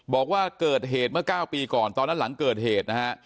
บอกว่าเกิดเหตุเมื่อ๙ปีก่อนตอนนั้นหลังเกิดเหตุนะฮะ